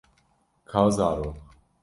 Ka zarok.